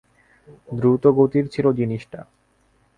দ্রুতগতির ছিল জিনিসটা।